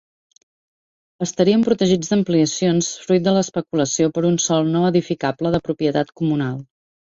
Estarien protegits d'ampliacions fruit de l'especulació per un sòl no edificable de propietat comunal.